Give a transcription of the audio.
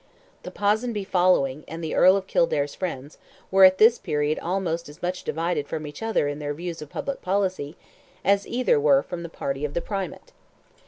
The Ponsonby following, and the Earl of Kildare's friends were at this period almost as much divided from each other in their views of public policy, as either were from the party of the Primate.